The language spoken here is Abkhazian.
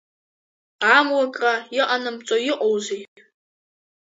Амлакра иҟанамҵо иҟоузеи.